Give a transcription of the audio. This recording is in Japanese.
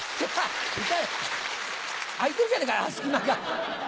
開いてるじゃねえか隙間が。